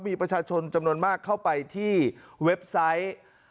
มีประชาชนจำนวนมากเข้าไปที่เว็บไซต์